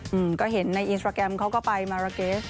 อืมก็เห็นในอินสตราแกรมเขาก็ไปมาราเกส